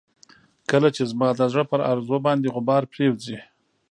کله چې زما د زړه پر ارزو باندې غبار پرېوځي.